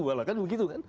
bahkan begitu kan